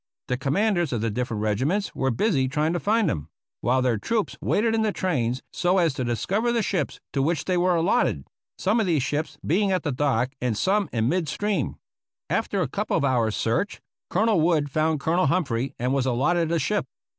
The commanders of the different regiments were busy trying to find him, while their troops waited in the trains, so as to discover the ships to which they were allot ted — ^some of these ships being at the dock and some in mid stream. After a couple of hours' search. Colonel Wood found Colonel Humphrey and was allotted a ship.